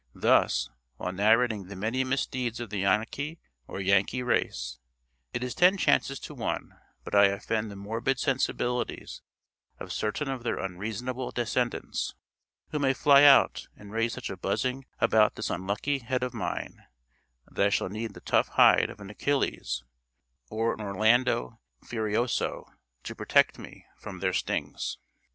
Thus, while narrating the many misdeeds of the Yanokie or Yankee race, it is ten chances to one but I offend the morbid sensibilities of certain of their unreasonable descendants, who may fly out and raise such a buzzing about this unlucky head of mine, that I shall need the tough hide of an Achilles, or an Orlando Furioso, to protect me from their stings.